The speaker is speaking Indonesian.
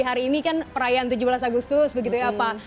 hari ini kan perayaan tujuh belas agustus begitu ya pak